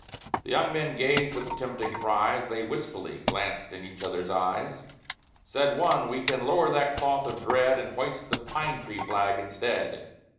The young men gazed at the tempting prize They wistfully glanced in each other's eyes; Said one, "We can lower that cloth of dread And hoist the pine tree flag instead.